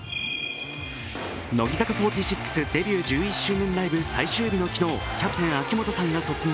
乃木坂４６デビュー１１周年ライブ最終日の昨日キャプテン・秋元さんが卒業。